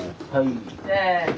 せの。